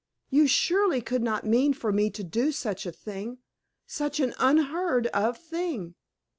You surely could not mean for me to do such a thing such an unheard of thing?